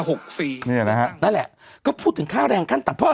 หกสี่นี่แหละฮะนั่นแหละก็พูดถึงค่าแรงขั้นต่ำเพราะ